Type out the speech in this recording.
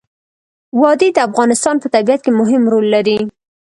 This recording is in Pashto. وادي د افغانستان په طبیعت کې مهم رول لري.